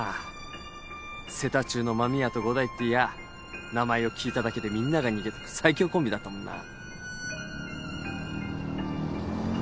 瀬田中の真宮と伍代っていやぁ名前を聞いただけでみんなが逃げてく最強コンビだったもんな。